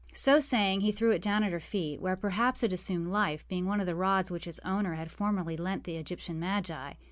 â So saying, he threw it down at her feet, where, perhaps, it assumed life, being one of the rods which its owner had formerly lent to the Egyptian magi.